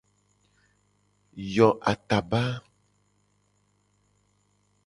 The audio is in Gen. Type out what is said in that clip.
Yo ataba.